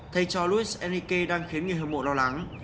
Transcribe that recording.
thầy cho luis enrique đang khiến người hâm mộ lo lắng